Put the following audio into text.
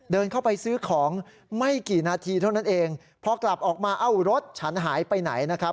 เดินเข้าไปซื้อของไม่กี่นาทีเท่านั้นเองพอกลับออกมาเอ้ารถฉันหายไปไหนนะครับ